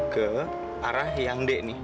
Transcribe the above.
ke arah yang d nih